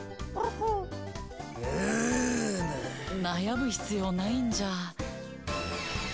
悩む必要ないんじゃ。